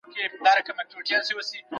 هغه په کمپيوټر کي انځورونه جوړوي.